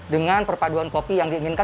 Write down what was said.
dengan perpaduan kopi yang diinginkan